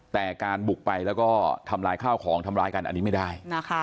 แต่การบุกไปแล้วก็ทำลายข้าวของทำร้ายกันอันนี้ไม่ได้